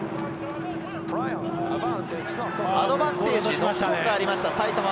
アドバンテージ、ノックオンがありました。